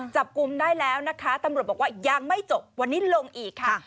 จับกลุ่มได้แล้วนะคะตำรวจบอกว่ายังไม่จบวันนี้ลงอีกค่ะ